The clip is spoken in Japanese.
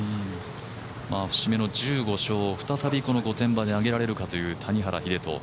節目の１５勝を再びこの御殿場で挙げられるかという谷原秀人。